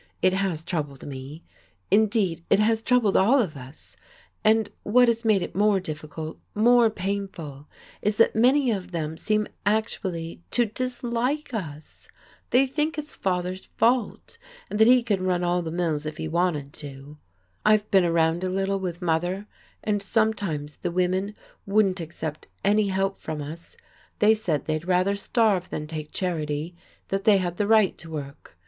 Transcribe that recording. It has troubled me. Indeed, it has troubled all of us. And what has made it more difficult, more painful is that many of them seem actually to dislike us. They think it's father's fault, and that he could run all the mills if he wanted to. I've been around a little with mother and sometimes the women wouldn't accept any help from us; they said they'd rather starve than take charity, that they had the right to work.